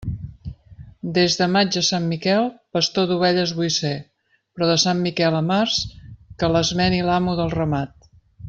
Des de maig a Sant Miquel, pastor d'ovelles vull ser; però de Sant Miquel a març, que les meni l'amo del ramat.